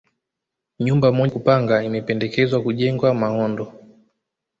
Nyumba moja ya kupanga imependekezwa kujengwa Mahondo